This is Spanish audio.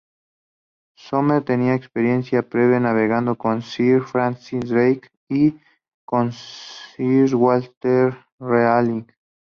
Somers tenía experiencia previa navegando con Sir Francis Drake y con Sir Walter Raleigh.